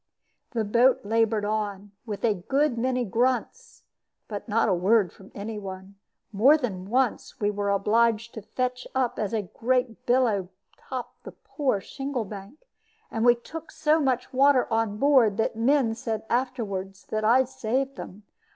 The boat labored on, with a good many grunts, but not a word from any one. More than once we were obliged to fetch up as a great billow topped the poor shingle bank; and we took so much water on board that the men said afterward that I saved them.